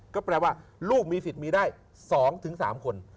ก็แปลว่าลูกมีสิทธิ์มีได้๒๓คน